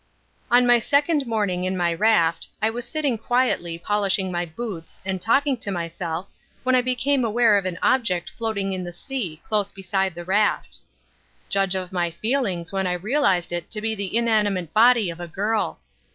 On my second morning on my raft I was sitting quietly polishing my boots and talking to myself when I became aware of an object floating in the sea close beside the raft. Judge of my feelings when I realized it to be the inanimate body of a girl.